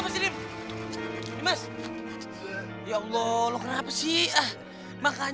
siapa tahun ini kamu pakai juga makan memang